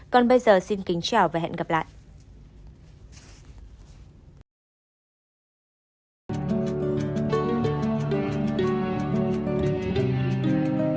còn bây giờ xin kính chào và hẹn gặp lại